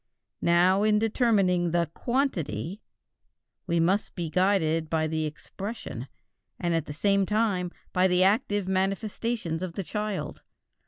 Now in determining the "quantity" we must be guided by the expression and at the same time by the active manifestations of the child.